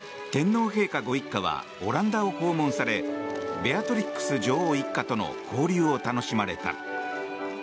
２００６年、天皇陛下ご一家はオランダを訪問されベアトリクス女王一家との交流を楽しまれた。